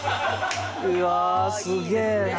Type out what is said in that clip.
うわーすげえな。